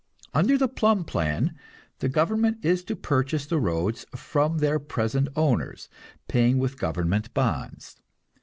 Under the Plumb plan the government is to purchase the roads from their present owners, paying with government bonds.